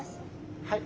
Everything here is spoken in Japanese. はい。